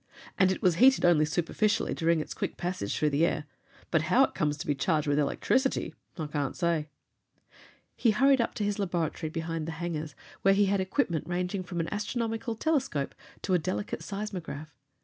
"And it was heated only superficially during its quick passage through the air. But how it comes to be charged with electricity I can't say." He hurried up to his laboratory behind the hangars, where he had equipment ranging from an astronomical telescope to a delicate seismograph.